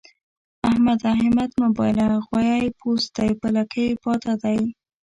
احمده! همت مه بايله؛ غويی پوست دی په لکۍ پاته دی.